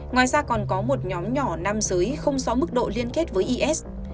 ngoài ra còn có một nhóm nhỏ nam giới không rõ mức độ liên kết với is